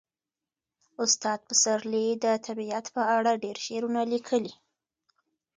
استاد پسرلي د طبیعت په اړه ډېر شعرونه لیکلي.